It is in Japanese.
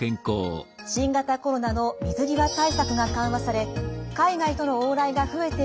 新型コロナの水際対策が緩和され海外との往来が増えていく中